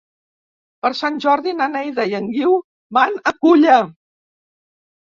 Per Sant Jordi na Neida i en Guiu van a Culla.